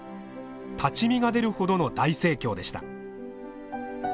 立ち見が出るほどの大盛況でした。